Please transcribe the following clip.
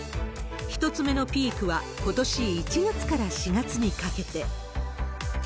１つ目のピークはことし１月から４月にかけて。